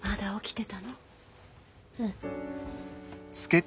うん。